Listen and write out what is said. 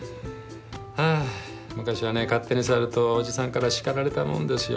はあ昔はね勝手に触るとおじさんから叱られたもんですよ。